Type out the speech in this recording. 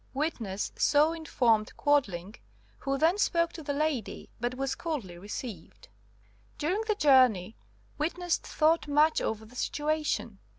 Witness so informed Quadling, who then spoke to the lady, but was coldly received. "During the journey witness thought much over the situation.